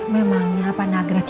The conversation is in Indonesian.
memangnya pak nagras itu